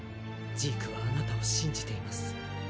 ジークはあなたを信じています。